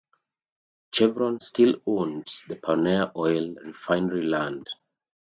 Chevron still owns the Pioneer Oil Refinery land.